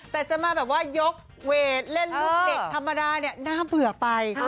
แต่จะมาแบบว่ายกเวทเล่นลูกเด็กธรรมดาเนี่ยน่าเบื่อไป